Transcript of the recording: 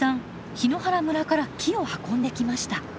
檜原村から木を運んできました。